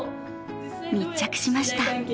密着しました。